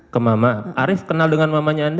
ke mama arief kenal dengan mamanya andi